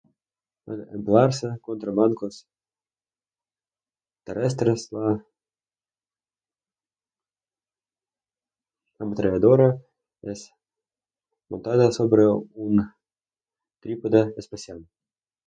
Al emplearse contra blancos terrestres, la ametralladora es montada sobre un trípode especial.